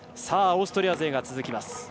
オーストリア勢が続きます。